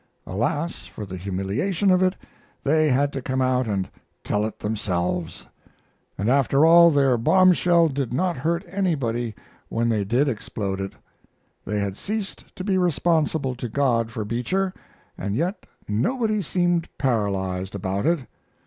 Alas, for the humiliation of it, they had to come out and tell it themselves! And after all, their bombshell did not hurt anybody when they did explode it. They had ceased to be responsible to God for Beecher, and yet nobody seemed paralyzed about it.